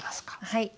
はい。